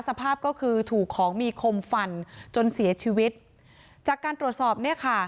สภาพก็คือถูกของมีคมฟันจนเสียชีวิตจากการตรวจสอบเนี่ยค่ะ